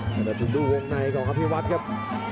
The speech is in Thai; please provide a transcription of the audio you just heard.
เอาไปดูหัวคล้องไนน่ของอภิวัตครับ